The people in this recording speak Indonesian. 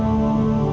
yang lebih baik adalah